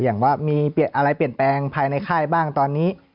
อย่างว่ามีอะไรเปลี่ยนแปลงภายในค่ายบ้างตอนนี้